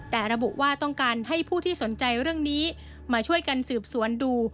แต่ระบุว่าต้องการให้ผู้ที่สนใจเรื่องนี้มาช่วยกันสืบสวนดู